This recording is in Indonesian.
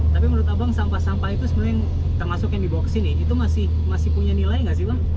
tapi menurut abang sampah sampah itu sebenarnya termasuk yang dibawa ke sini itu masih punya nilai nggak sih bang